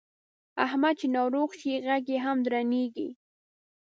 احمد چې ناروغ شي غږ یې هم درنېږي.